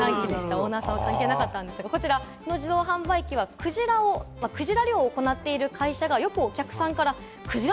オーナーさんは関係なかったんですが、こちらの自動販売機はクジラ漁を行っている会社が、どこでクジラ